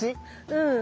うん。